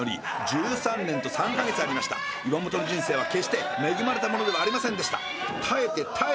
１３年と３か月ありました岩本の人生は決して恵まれたものではありませんでした